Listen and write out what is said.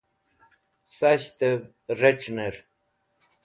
sasht'ev rec̃hner